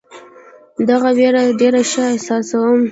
دغه وېره ډېر ښه احساسوم.